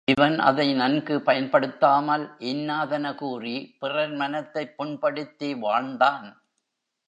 இவன் அதை நன்கு பயன்படுத்தாமல் இன்னாதன கூறி, பிறர் மனத்தைப் புண்படுத்தி வாழ்ந்தான்.